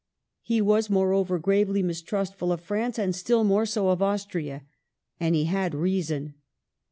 He was, moreover, gravely mistrustful of France, and still more so of Austria. And he had reason.